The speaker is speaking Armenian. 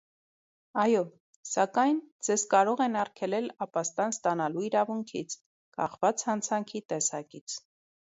Այո: Սակայն, Ձեզ կարող են արգելել ապաստան ստանալու իրավունքից՝ կախված հանցանքի տեսակից: